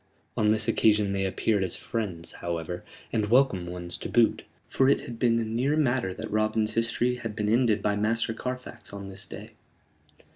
On this occasion they appeared as friends, however and welcome ones to boot; for it had been a near matter that Robin's history had been ended by Master Carfax on this day.